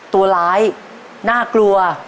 ตัวร้ายน่ากลัว